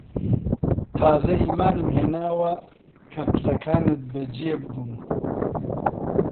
تازە ئیمانم هێناوە کە قسەکانت بەجێ بوون